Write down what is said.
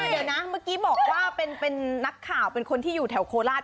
เดี๋ยวนะเมื่อกี้บอกว่าเป็นนักข่าวเป็นคนที่อยู่แถวโคราช